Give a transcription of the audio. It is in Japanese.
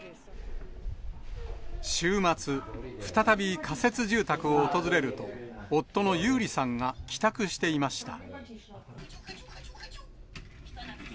週末、再び仮設住宅を訪れると、夫のユーリさんが帰宅していました。